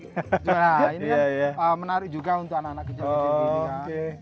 nah ini kan menarik juga untuk anak anak kecil